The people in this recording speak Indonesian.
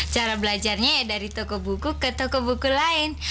cara belajarnya ya dari toko buku ke toko buku lain